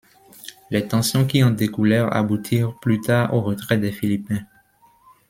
Les tensions qui en découlèrent aboutirent plus tard au retrait des Philippins.